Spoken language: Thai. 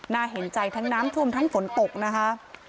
เห็นใจทั้งน้ำท่วมทั้งฝนตกนะคะ